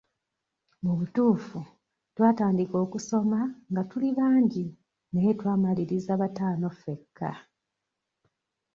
Mu butuufu twatandika okusoma nga tuli bangi naye twamaliriza bataano ffekka.